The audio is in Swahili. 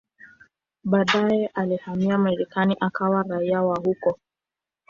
Baadaye alihamia Marekani akawa raia wa huko.